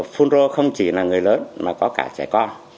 phunro không chỉ là người lớn mà có cả trẻ con